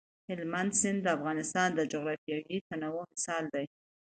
هلمند سیند د افغانستان د جغرافیوي تنوع مثال دی.